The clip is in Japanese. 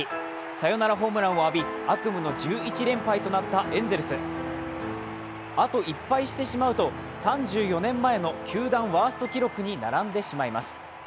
サヨナラホームランを浴び悪夢の１１連敗となったエンゼルスあと１敗してしまうと３４年前の球団ワースト記録に並んでしまいます。